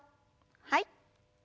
はい。